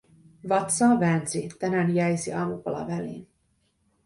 Vatsaa väänsi, tänään jäisi aamupala väliin.